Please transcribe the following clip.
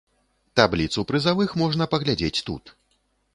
Табліцу прызавых можна паглядзець тут.